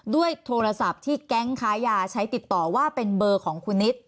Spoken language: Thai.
ด้วยโทรศัพท์ที่แก๊งค้ายาใช้ติดต่อว่าเป็นเบอร์ของคุณนิด